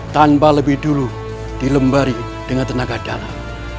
tanpa lebih dulu dilembari dengan tenaga dalam